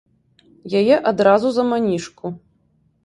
Яе адразу за манішку.